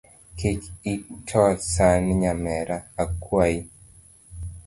Kik ito san nyamera akuai.